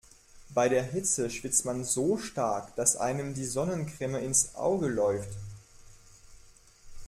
Bei der Hitze schwitzt man so stark, dass einem die Sonnencreme ins Auge läuft.